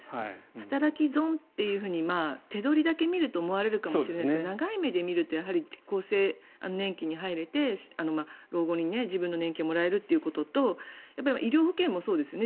働き損っていうふうに手取りだけ見ると思われるかもしれませんが長い目で見ると厚生年金に入れて老後に自分の年金がもらえるということと医療保険もそうですよね。